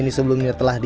dpr ri puan maharani